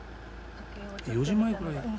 ４時前くらい。